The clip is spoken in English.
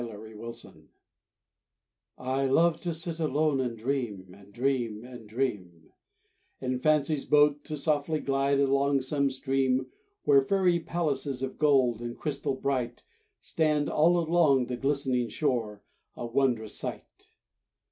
A MID DAY DREAMER I love to sit alone, and dream, And dream, and dream; In fancy's boat to softly glide Along some stream Where fairy palaces of gold And crystal bright Stand all along the glistening shore: A wondrous sight.